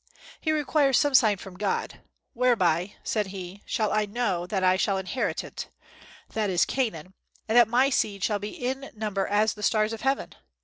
He requires some sign from God. "Whereby," said he, "shall I know that I shall inherit it," that is Canaan, "and that my seed shall be in number as the stars of heaven?"